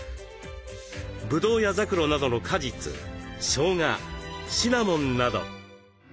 ぶどうやざくろなどの果実しょうがシナモンなど。